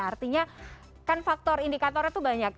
artinya kan faktor indikatornya itu banyak